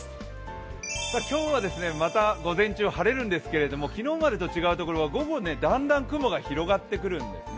今日は午前中、晴れるんですけれども昨日までと違うところは、午後、だんだん雲が広がってくるんですね。